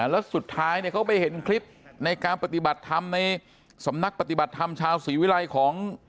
แล้วสุดท้ายเขาไปเห็นคลิปในการปฏิบัติธรรมในสำนักปฏิบัติธรรมชาวศรีวิรัยของ